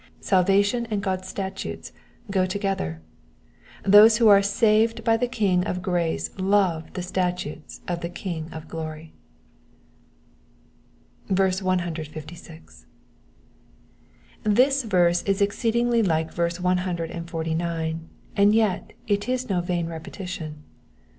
Salva tion and God's statutes go together : those who are saved by the King of grace love the statutes of the King of glory. 156. This verse is exceedingly like verse one hundred and forty nine, and yet it is no vain repetition.